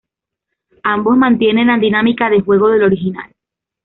Ambos mantienen la dinámica de juego del original.